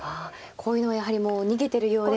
こういうのはやはりもう逃げてるようではと。